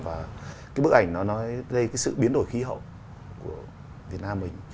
và cái bức ảnh nó dây cái sự biến đổi khí hậu của việt nam mình